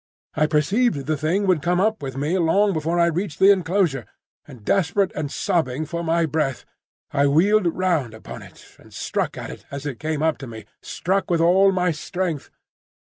I perceived the Thing would come up with me long before I reached the enclosure, and, desperate and sobbing for my breath, I wheeled round upon it and struck at it as it came up to me,—struck with all my strength.